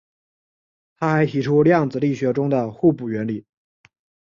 他还提出量子力学中的互补原理。